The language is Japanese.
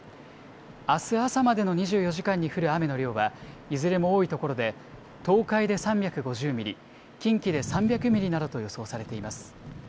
あす朝までの２４時間に降る雨の量は、いずれも多い所で東海で３５０ミリ、近畿で３００ミリなどと予想されています。